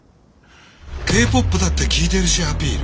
Ｋ−ＰＯＰだって聴いてるしアピール。